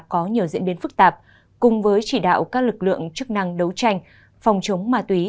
có nhiều diễn biến phức tạp cùng với chỉ đạo các lực lượng chức năng đấu tranh phòng chống ma túy